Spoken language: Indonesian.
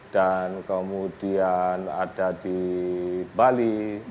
dan kemudian ada di bali